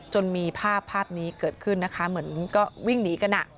จนมีภาพภาพนี้เกิดขึ้นนะคะเหมือนก็วิ่งหนีกัน